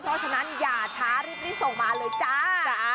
เพราะฉะนั้นอย่าช้ารีบส่งมาเลยจ้า